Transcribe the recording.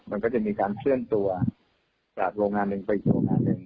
มันก็จะมีการเคลื่อนตัวจากโรงงานหนึ่งไปอีกโรงงานหนึ่ง